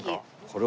これ。